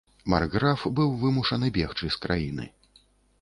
Маркграф быў вымушаны бегчы з краіны.